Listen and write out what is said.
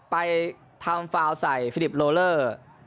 ไปทำฟาวใส่ฟิลิปโลเลอร์